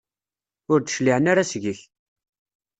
Ur d-cliɛen ara seg-k.